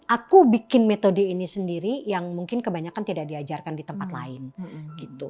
aku bikin metode ini sendiri yang mungkin kebanyakan tidak diajarkan di tempat lain gitu